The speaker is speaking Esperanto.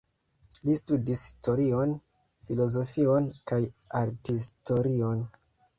Li studis historion, filozofion kaj arthistorion.